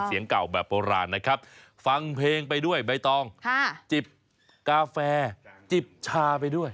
เพลงของร้านนะครับฟังเพลงไปด้วยใบตองจิบกาแฟจิบชาไปด้วย